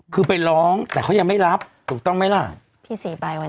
คือไปร้องแต่เขายังไม่รับถูกต้องไหมล่ะพี่ศรีไปวันนี้